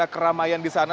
bagaimana keramaian disana